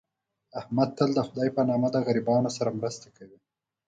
احمد تل دخدی په نامه د غریبانو سره مرسته کوي.